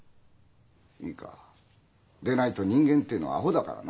いいか？でないと人間ってのはアホだからなあ